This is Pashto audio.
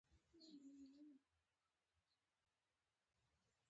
د کلیزو منظره د افغانستان د ملي اقتصاد د پیاوړتیا یوه مهمه برخه ده.